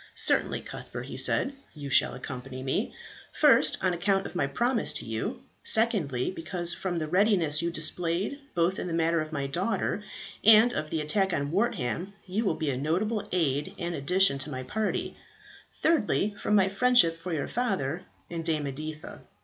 "Certainly, Cuthbert," he said, "you shall accompany me; first, on account of my promise to you; secondly, because from the readiness you displayed both in the matter of my daughter and of the attack on Wortham, you will be a notable aid and addition to my party; thirdly, from my friendship for your father and Dame Editha."